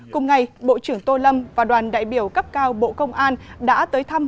cùng ngày bộ trưởng tô lâm và đoàn đại biểu cấp cao bộ công an đã tới thăm